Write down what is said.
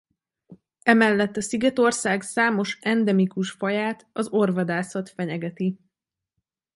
Emellett a szigetország számos endemikus faját az orvvadászat fenyegeti.